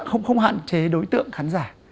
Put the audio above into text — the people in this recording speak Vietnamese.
không hạn chế đối tượng khán giả